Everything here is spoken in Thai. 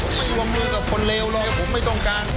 ผมไม่รวมมือกับคนเลวเลยผมไม่ต้องการ